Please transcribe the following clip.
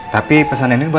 tapi pesan ini buat